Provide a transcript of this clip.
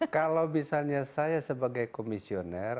kalau misalnya saya sebagai komisioner